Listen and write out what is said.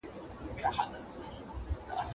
ماشومان ښوونځي ته لاړ شئ.